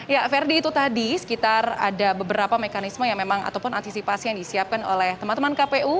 ya verdi itu tadi sekitar ada beberapa mekanisme yang memang ataupun antisipasi yang disiapkan oleh teman teman kpu